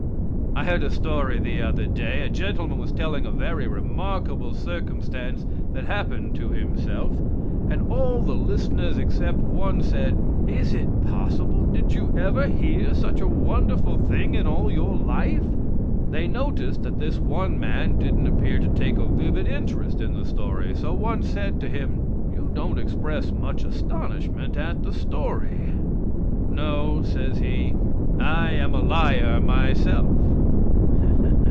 I heard a story the other day. A gentleman was telling a very remarkable circumstance that happened to himself, and all the listeners except one said, "Is it possible; did you ever hear such a wonderful thing in all your life?" They noticed that this one man didn't appear to take a vivid interest in the story, so one said to him, "You don't express much astonishment at the story?" "No," says he, "I am a liar myself."